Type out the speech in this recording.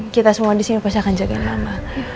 kita semua disini pasti akan jagain mama